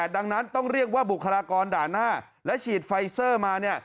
ดังนั้นต้องเรียกว่าบุคลากรด่านหน้าและฉีดไฟเซอร์มา